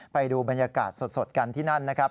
ไปดูบรรยากาศสดกันที่นั่นนะครับ